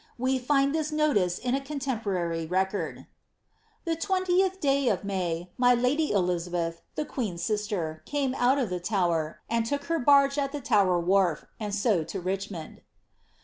We find this notice in a contemporary re cord :—^ The 20th day of May, my lady Elizabeth, the queen^s sister, came out of the Tower, and took her barge at the Tower wharf, and so to Richmond."